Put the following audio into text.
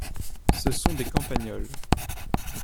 Ce sont des campagnols.